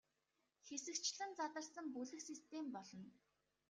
Хэсэгчлэн задарсан бүлэг систем болно.